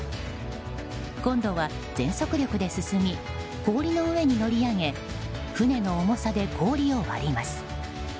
今度は全速力で進み氷の上に乗り上げ船の重さで氷を割ります。